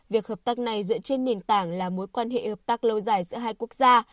việc hợp tác này dựa trên nền tảng là mối quan hệ hợp tác lâu dài giữa hai quốc gia